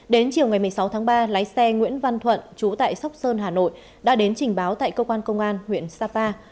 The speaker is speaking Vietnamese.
đến chiều ngày một mươi sáu tháng ba lái xe nguyễn văn thuận trú tại sóc sơn hà nội đã đến trình báo tại cơ quan công an huyện sapa